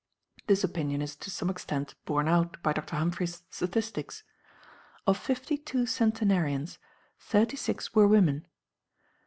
This opinion is to some extent borne out by Dr. Humphry's statistics: of fifty two centenarians, thirty six were women.